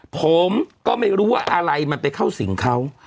ผมก็ไม่รู้ว่าอะไรมันไปเข้าสิงเขา